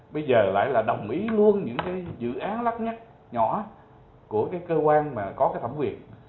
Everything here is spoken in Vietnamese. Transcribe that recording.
bây giờ lại là đồng ý luôn những cái dự án lắc nhắc nhỏ của cái cơ quan mà có cái thẩm quyền